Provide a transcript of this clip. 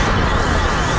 partner juga aika bisa